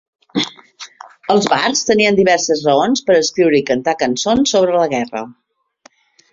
Els bards tenien diverses raons per escriure i cantar cançons sobre la guerra.